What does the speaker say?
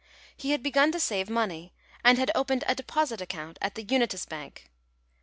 He had begun to save money, and had opened a deposit account at the Unitas Bank.